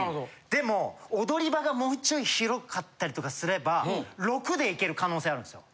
でも踊り場がもうちょい広かったりとかすれば６でいける可能性あるんですよ。